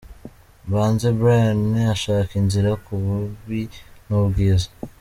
Mbanze Bryan ashaka inzira ku bubi n'ubwiza.